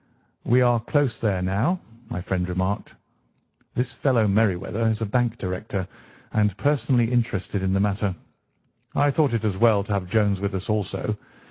"We are close there now," my friend remarked. "This fellow Merryweather is a bank director, and personally interested in the matter. I thought it as well to have Jones with us also.